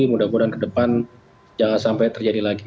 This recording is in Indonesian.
mudah mudahan ke depan jangan sampai terjadi lagi